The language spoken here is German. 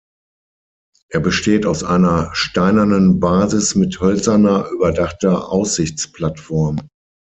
Er besteht aus einer steinernen Basis mit hölzerner, überdachter Aussichtsplattform.